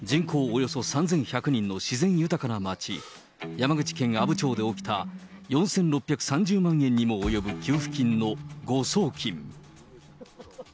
およそ３１００人の自然豊かな町、山口県阿武町で起きた、４６３０万円にも及ぶ給付金の誤送金。